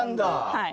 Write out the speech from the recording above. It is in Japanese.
はい。